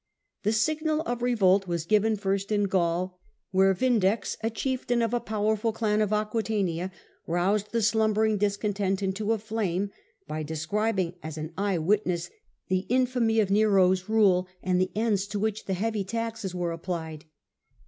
The Vindex, in signal of revolt was given first in Gaul, Gaul, where Vindex, a chieftain of a powerful clan of Aquitania, roused the slumbering discontent into a flame by describing, as an eye witness, the infamy of Nero's rule and the ends to which the heav>^ taxes were applied.